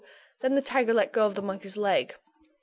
Then the tiger let go of the monkey's leg.